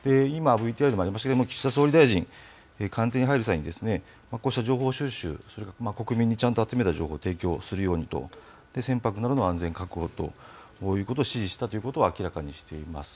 今、ＶＴＲにもありましたけど、岸田総理大臣、官邸に入る際にこうした情報収集、それから国民にちゃんと集めた情報を提供するようにと、船舶などの安全確保ということを指示したということを明らかにしています。